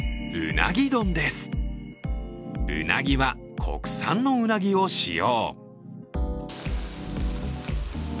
うなぎは国産のうなぎを使用。